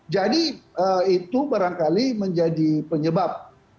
jadi itu barangkali menjadi penyebab